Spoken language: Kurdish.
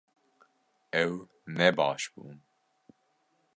Ew ne baş bûn